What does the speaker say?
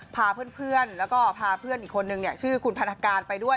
พาเพื่อนแล้วก็พาเพื่อนอีกคนนึงเนี่ยชื่อคุณพันธการไปด้วย